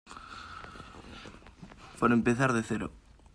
por empezar de cero.